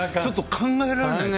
考えられない。